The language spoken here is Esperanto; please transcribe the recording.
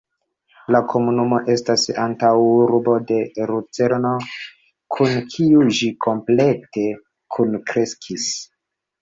La komunumo estas antaŭurbo de Lucerno, kun kiu ĝi komplete kunkreskis.